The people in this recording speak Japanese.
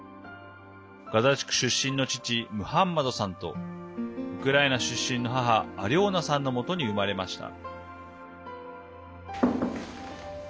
ガザ地区出身の父ムハンマドさんとウクライナ出身の母アリョーナさんのもとに生まれました。